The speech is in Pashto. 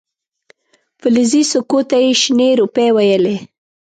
فلزي سکو ته یې شنې روپۍ ویلې.